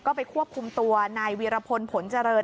ก็ไปควบคุมตัวนายวีรพลผลเจริญ